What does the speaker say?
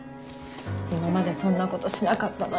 今までそんなことしなかったのに。